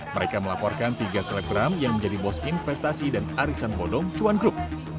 mereka melaporkan tiga selebgram yang menjadi bos investasi dan arisan bodong cuan grup